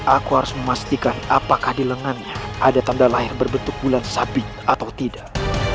aku harus memastikan apakah di lengannya ada tanda lahir berbentuk bulan sabit atau tidak